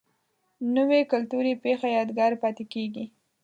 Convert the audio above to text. نوې کلتوري پیښه یادګار پاتې کېږي